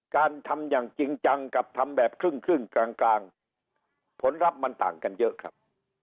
การทำอย่างจริงจังกับทำแบบครึ่งกลางกลางผลลัพธ์มันต่างกันเยอะครับ